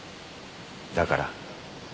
だから。